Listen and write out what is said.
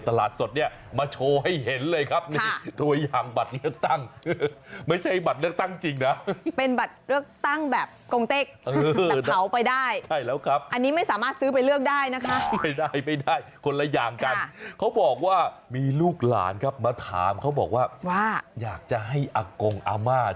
เขาเตรียมที่จะเผากระดาษใบเลือกตั้งไปให้กรงอำมาตย์